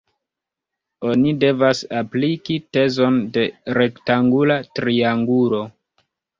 Oni devas apliki tezon de rektangula triangulo.